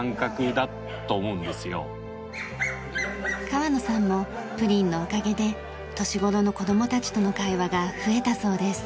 川野さんもプリンのおかげで年頃の子供たちとの会話が増えたそうです。